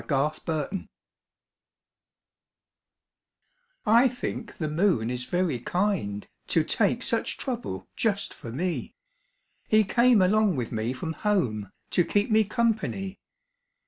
II The Kind Moon I think the moon is very kind To take such trouble just for me. He came along with me from home To keep me company.